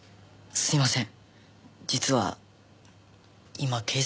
すいません。